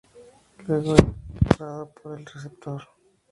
Luego era arrastrada por el receptor.